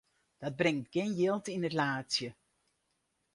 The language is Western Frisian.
Dat bringt gjin jild yn it laadsje.